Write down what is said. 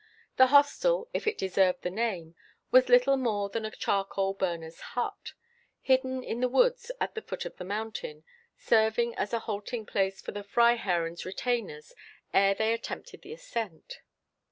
The hostel, if it deserved the name, was little more than a charcoal burner's hut, hidden in the woods at the foot of the mountain, serving as a halting place for the Freiherren's retainers ere they attempted the ascent.